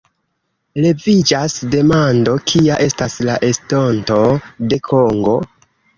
Leviĝas demando: kia estas la estonto de Kongo?